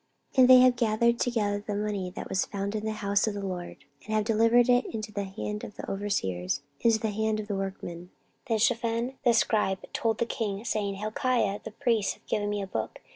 14:034:017 And they have gathered together the money that was found in the house of the LORD, and have delivered it into the hand of the overseers, and to the hand of the workmen. 14:034:018 Then Shaphan the scribe told the king, saying, Hilkiah the priest hath given me a book.